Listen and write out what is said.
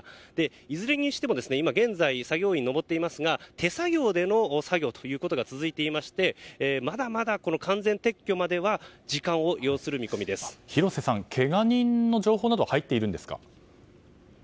いずれにしても今現在、作業員が上っていますが手作業での作業が続いていましてまだまだ完全撤去までは広瀬さん、けが人の情報などは入っているんですか？